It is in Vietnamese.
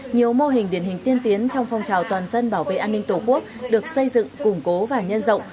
nhiều mô hình điển hình tiên tiến trong phong trào toàn dân bảo vệ an ninh tổ quốc được xây dựng củng cố và nhân rộng